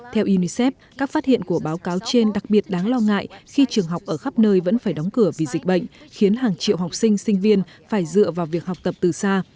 theo unicef các phát hiện của báo cáo trên đặc biệt đáng lo ngại khi trường học ở khắp nơi vẫn phải đóng cửa vì dịch bệnh khiến hàng triệu học sinh sinh viên phải dựa vào việc học tập từ xa